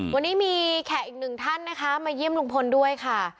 วันนี้มีแขกอีกหนึ่งท่านนะคะมาเยี่ยมลุงพลด้วยค่ะ